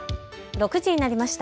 ６時になりました。